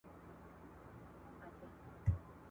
انګرېزان په چابکۍ را روان دي.